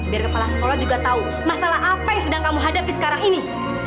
biar kepala sekolah juga tahu masalah apa yang sedang kamu hadapi sekarang ini